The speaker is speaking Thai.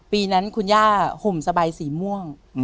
ปีนั้นคุณย่าห่มสบายสีม่วง